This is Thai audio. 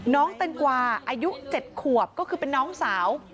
น้องตนกว่าอายุ๗กว่าก็คือเป็นน้องสาว